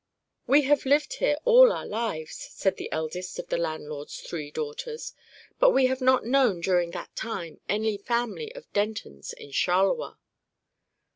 "We have lived here all our lives," said the eldest of the landlord's three daughters, "but we have not known, during that time, any family of Dentons in Charleroi."